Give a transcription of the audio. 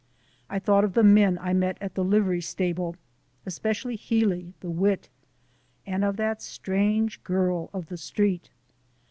I thought of the men I met at the livery stable, especially Healy, the wit, and of that strange Girl of the Street.